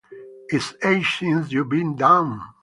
It’s ages since you’ve been down.